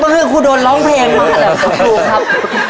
เมื่อคืนครูดนร้องเพลงมากนะครับครูครับ